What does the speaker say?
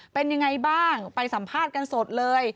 เป็นยังไงบ้างไปสัมภาษณ์กันสดเลย